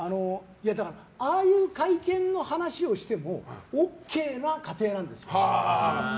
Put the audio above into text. ああいう会見の話をしてもＯＫな家庭なんですよ。